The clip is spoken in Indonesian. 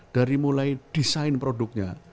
dari mulai desain produknya